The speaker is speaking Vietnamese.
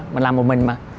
mình làm một mình mà